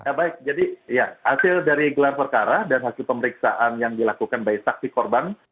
ya baik jadi ya hasil dari gelar perkara dan hasil pemeriksaan yang dilakukan baik saksi korban